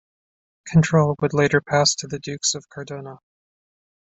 Control would later pass to the Dukes of Cardona.